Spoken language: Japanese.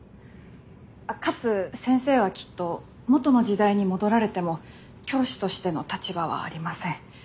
かつ先生はきっと元の時代に戻られても教師としての立場はありません。